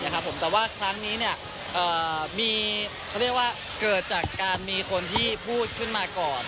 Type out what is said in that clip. เนี้ยครับผมแต่ว่าครั้งนี้เนี้ยเอ่อมีเขาเรียกว่าเกิดจากการมีคนที่พูดขึ้นมาก่อน